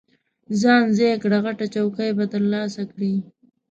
ځان ځای کړه، غټه چوکۍ به ترلاسه کړې.